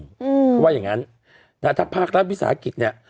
เพราะว่าอย่างงั้นนะฮะถ้าภาครัฐวิสาหกิจเนี่ย